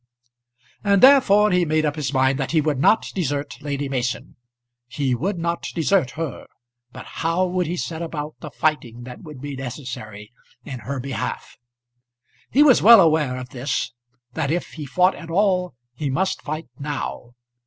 And therefore he made up his mind that he would not desert Lady Mason. He would not desert her; but how would he set about the fighting that would be necessary in her behalf? He was well aware of this, that if he fought at all, he must fight now.